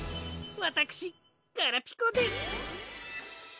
わたくしガラピコです。